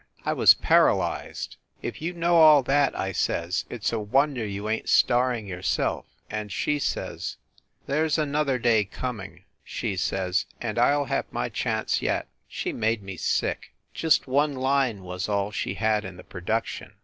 I was paralyzed. "If you know all that," I says, "it s a wonder you ain t starring yourself !" And she says, "there s an other day coming," she says, "and I ll have my chance yet !" She made me sick. Just one line was all she had in the production.